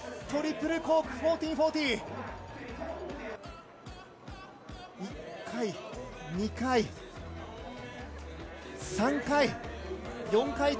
トリプルコーク１４４０、１回、２回、３回。